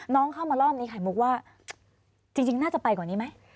เข้ามารอบนี้ไข่มุกว่าจริงน่าจะไปกว่านี้ไหม